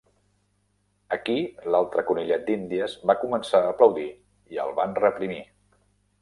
Aquí l'altre conillet d'Índies va començar a aplaudir i el van reprimir.